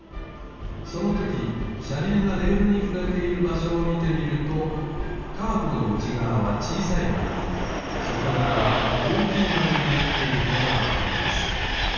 そのときしゃりんがレールにふれているばしょをみてみるとカーブのうちがわは小さいまるにそとがわは大きいまるになっていることがわかります。